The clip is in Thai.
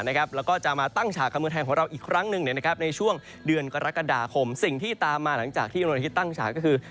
แล้วก็จะมาตั้งฉากกับเมืองไทยของเราอีกครั้งหนึ่งในช่วงเดือนกรกฎาคมสิ่งที่ตามมาหลังจากที่ดวงอาทิตย์ตั้งฉากก็คือ